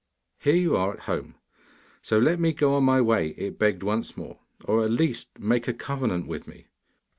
'Here you are at home, so let me go my way,' it begged once more; 'or at least make a covenant with me.